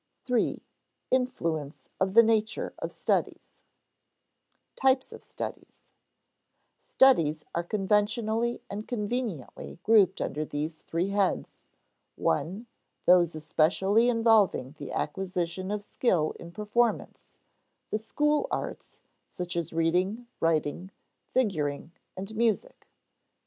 § 3. Influence of the Nature of Studies [Sidenote: Types of studies] Studies are conventionally and conveniently grouped under these heads: (1) Those especially involving the acquisition of skill in performance the school arts, such as reading, writing, figuring, and music.